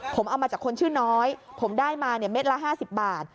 ผมเอามาจากคนชื่อน้อยผมได้มาเม็ดละ๕๐บาท